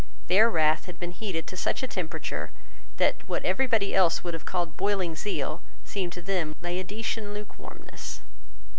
Their wrath had been heated to such a temperature that what everybody else would have called boiling zeal seemed to them Laodicean lukewarmness.